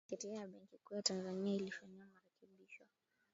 sheria ya benki kuu ya tanzania ilifanyiwa marekebisho